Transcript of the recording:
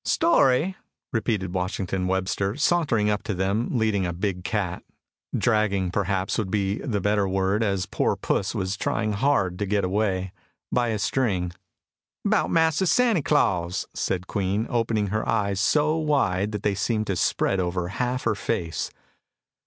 "Story?" repeated Washington Webster, sauntering up to them, leading a big cat dragging, perhaps, would be the better word, as poor puss was trying hard to get away by a string. "'Bout Mahser Zanty Claws," said Queen, opening her eyes so wide that they seemed to spread over half her face.